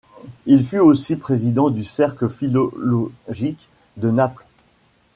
Il fut aussi président du Cercle philologique de Naples.